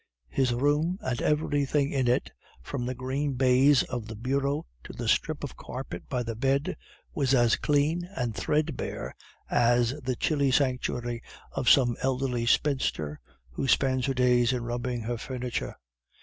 "His room, and everything in it, from the green baize of the bureau to the strip of carpet by the bed, was as clean and threadbare as the chilly sanctuary of some elderly spinster who spends her days in rubbing her furniture.